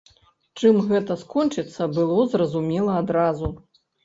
Чым гэта скончыцца, было зразумела адразу.